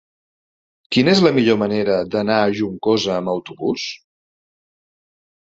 Quina és la millor manera d'anar a Juncosa amb autobús?